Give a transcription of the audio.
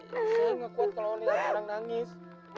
saya enggak kuat kalau lihat orang nangis